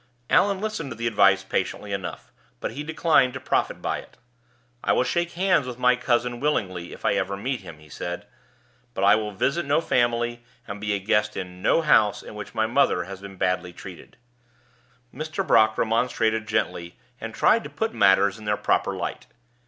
Allan listened to the advice patiently enough; but he declined to profit by it. "I will shake hands with my cousin willingly if I ever meet him," he said; "but I will visit no family, and be a guest in no house, in which my mother has been badly treated." Mr. Brock remonstrated gently, and tried to put matters in their proper light.